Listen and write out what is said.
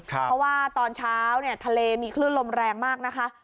เพราะว่าตอนเช้าทะเลมีคลื่นลมแรงมากนะคะ